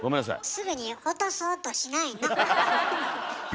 すぐに落とそうとしないの。